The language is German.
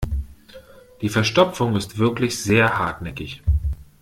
Die Verstopfung ist wirklich sehr hartnäckig.